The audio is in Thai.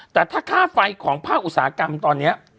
แต่ถ้าค่าไฟของภาคอุตสาหกรรมตอนนี้